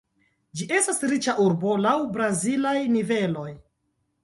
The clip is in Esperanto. Ĝi estas riĉa urbo laŭ brazilaj niveloj.